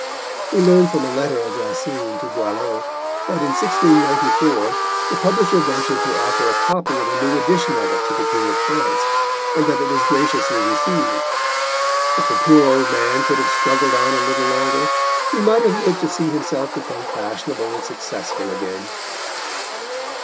We learn from a letter of Racine to Boileau that in 1694 the publisher ventured to offer a copy of a new edition of it to the King of France, and that it was graciously received. If the poor old man could have struggled on a little longer he might have lived to see himself become fashionable and successful again.